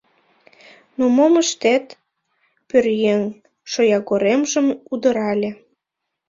Ну мом ыштет? — пӧръеҥ шоягоремжым удырале.